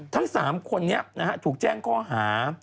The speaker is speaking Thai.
ทั้ง๓คนนี้ถูกแจ้งข้อหา